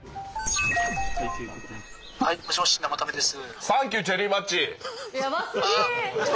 はいもしもし生田目です。